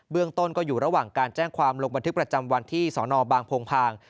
เรื่องต้นก็อยู่ระหว่างการแจ้งความลงบันทึกประจำวันที่สนบางโพงพาง